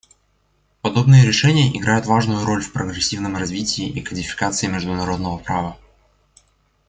Подобные решения играют важную роль в прогрессивном развитии и кодификации международного права.